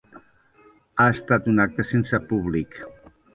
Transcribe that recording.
Ha estat un acte sense públic.